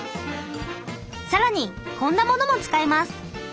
更にこんなものも使います。